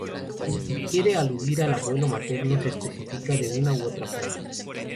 Cuando se quiere aludir al abuelo materno se especifica de una u otra forma".